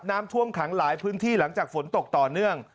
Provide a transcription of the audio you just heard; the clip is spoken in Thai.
น้ำท่วมขังหลายพื้นที่หลังจากฝนตกต่อเนื่อง